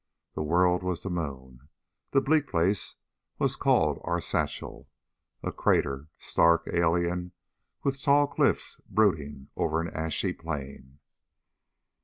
The world was the moon; the bleak place was called Arzachel, a crater stark, alien, with tall cliffs brooding over an ashy plain.